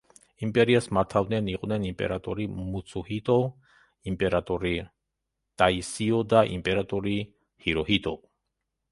იმპერიას მართავდნენ იყვნენ იმპერატორი მუცუჰიტო, იმპერატორი ტაისიო და იმპერატორი ჰიროჰიტო.